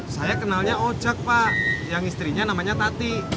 saya kenalnya ojek pak yang istrinya namanya tati